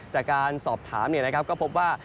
จากการสอบถามก็พบว่า